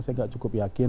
saya tidak cukup yakin